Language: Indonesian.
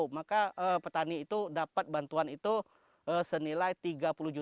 maka petani itu dapat bantuan itu dan kita dapat bantuan itu